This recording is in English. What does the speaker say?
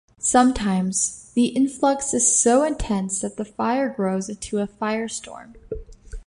Sometimes, the influx is so intense that the fire grows into a firestorm.